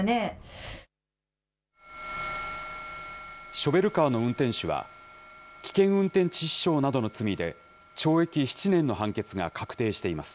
ショベルカーの運転手は、危険運転致死傷などの罪で、懲役７年の判決が確定しています。